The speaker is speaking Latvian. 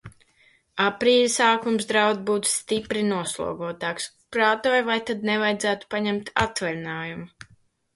Aprīļa sākums draud būt stipri noslogotāks. Prātoju, vai tad nevajadzētu paņemt atvaļinājumu.